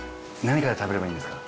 何から食べればいいんですか？